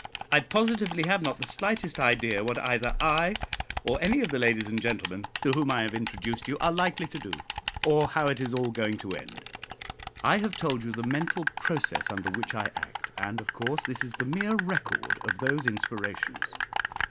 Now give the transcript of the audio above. I positively have not the slightest idea what either I or any of the ladies and gentlemen to whom I have introduced you are likely to do, or how it is all going to end. I have told you the mental process under which I act; and, of course, this is the mere record of those inspirations.